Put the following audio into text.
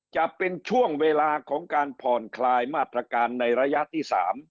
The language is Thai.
จะเป็นช่วงเวลาของการผ่อนคลายมาตรการในระยะที่๓